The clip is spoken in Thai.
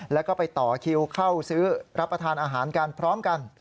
แล้วก็ไปต่อคิวเข้าซื้อรับประทานอาหารกันพร้อมกัน